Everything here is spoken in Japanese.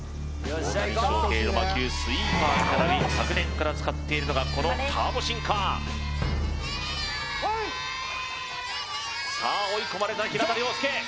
大谷翔平の魔球スイーパーにならび昨年から使っているのがこのターボシンカ−プレイさあ追い込まれた平田良介！